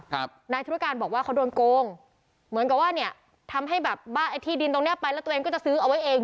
นายธุรการบอกว่าเขาโดนโกงเหมือนกับว่าเนี่ยทำให้แบบบ้าไอ้ที่ดินตรงเนี้ยไปแล้วตัวเองก็จะซื้อเอาไว้เอง